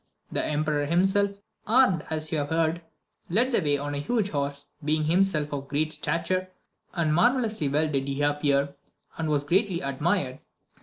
The emperor himself, armed as you have heard, led the way on a huge horse, being himself of great stature, and marvellously well did he appear, and was greatly admired.